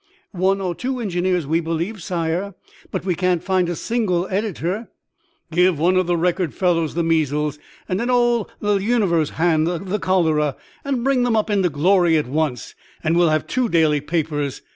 "One or two engineers, we believe, sire, but we can't find a single editor." "Give one of the Record fellows the measles, and an old l'Univers hand the cholera, and bring them up into glory at once, and we'll have two daily papers.